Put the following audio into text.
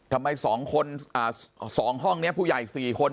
ทำไมสองคนสองห้องพุ่อย่ายสี่คน